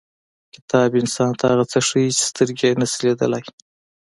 • کتاب انسان ته هغه څه ښیي چې سترګې یې نشي لیدلی.